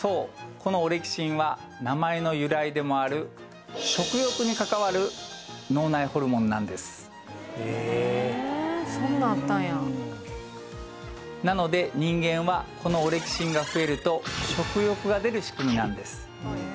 このオレキシンは名前の由来でもある食欲に関わる脳内ホルモンなんですなので人間はこのオレキシンが増えると食欲が出る仕組みなんです